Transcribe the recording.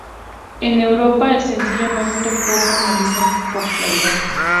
En Europa, el sencillo no topó con la misma popularidad.